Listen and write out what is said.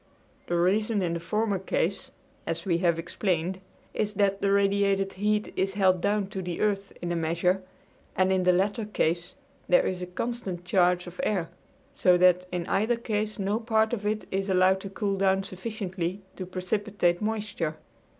The reason in the former case, as we have explained, is that the radiated heat is held down to the earth in a measure, and in the latter case there is a constant change of air; so that in either case no part of it is allowed to cool down sufficiently to precipitate moisture.